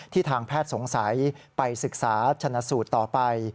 ทางแพทย์สงสัยไปศึกษาชนะสูตรต่อไป